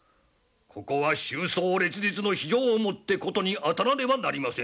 ここは秋霜烈日の非情をもって事に当たらねばなりませぬ。